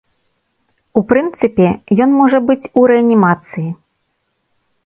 У прынцыпе, ён можа быць у рэанімацыі.